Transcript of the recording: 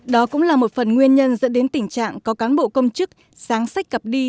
đó cũng là một phần nguyên nhân dẫn đến tình trạng có cán bộ công chức sáng sách cặp đi